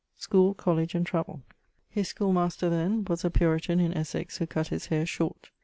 <_School, college, and travel._> His school master then was a Puritan, in Essex, who cutt his haire short.